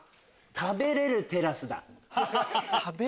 食べられるテラス？